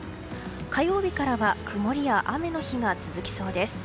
火曜日からは曇りや雨の日が続きそうです。